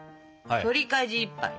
取りかじいっぱいね。